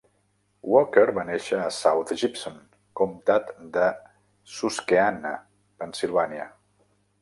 Walker va néixer a South Gibson, comtat de Susquehanna, Pennsilvània.